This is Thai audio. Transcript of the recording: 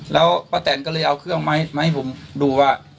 แล้วป้าแตนก็เลยเอาเครื่องไม้มาให้ผมดูว่า